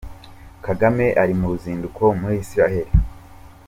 Kagame ari mu ruzinduko muri Israel.